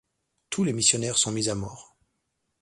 Tous les missionnaires sont mis à mort.